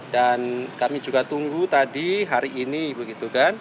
dan kami juga tunggu tadi hari ini